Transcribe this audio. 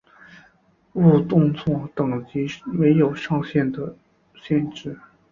误动作等级没有上限的限制。